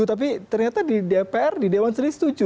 tapi ternyata di dpr di dewan sendiri setuju